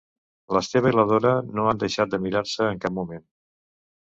L'Esteve i la Dora no han deixat de mirar-se en cap moment.